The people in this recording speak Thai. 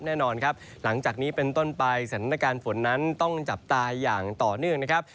แน่นอนครับหลังจากนี้เป็นต้นไปสถานการณ์ฝนนั้นต้องจับตาอย่างต่อเนื่องนะครับ